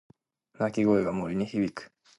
鳴き声が森に響く。